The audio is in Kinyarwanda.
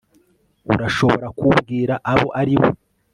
urashobora kumbwira abo ari bo